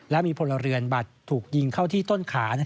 ที่ผลเรือนบัดถูกยิงเข้าที่ต้นขา